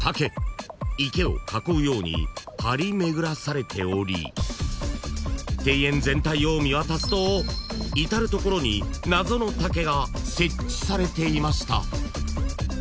［池を囲うように張り巡らされており庭園全体を見渡すと至る所に謎の竹が設置されていました］